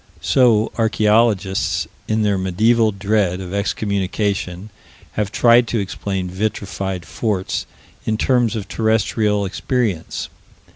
So archaeologists, in their medieval dread of excommunication, have tried to explain vitrified forts in terms of terrestrial experience.